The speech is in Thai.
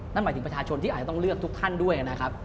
นั่นหมายถึงประชาชนที่อาจจะต้องเลือกทุกท่านด้วยนะครับ